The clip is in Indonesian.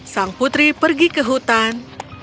sang putri pergi ke hutan